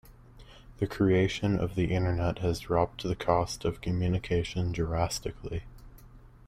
The creation of the internet has dropped the cost of communication drastically.